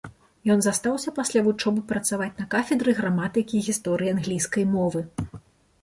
Ён застаўся пасля вучобы працаваць на кафедры граматыкі і гісторыі англійскай мовы.